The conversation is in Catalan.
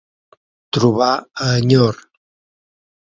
Trobar a enyor.